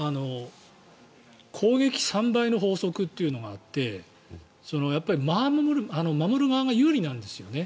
攻撃３倍の法則というのがあって守る側が有利なんですよね。